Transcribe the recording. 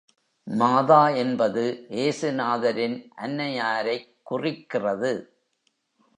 மாதா என்பது ஏசுநாதரின் அன்னையாரைக் குறிக்கிறது.